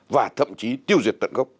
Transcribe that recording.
và thậm chí tiêu diệt tận gốc